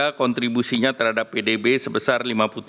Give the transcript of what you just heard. sehingga kontribusinya terhadap pdb sebesar lima puluh tiga delapan puluh tiga